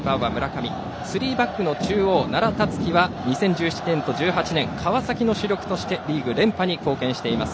センターバックの奈良竜樹は２０１７年と２０１８年、川崎の主力としてリーグ連覇に貢献しています。